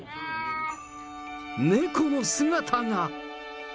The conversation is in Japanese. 猫の姿が。